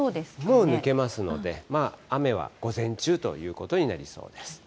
もう抜けますので、雨は午前中ということになりそうです。